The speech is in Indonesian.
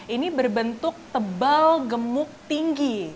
ini berbentuk tebal gemuk tinggi